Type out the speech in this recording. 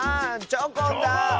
チョコン。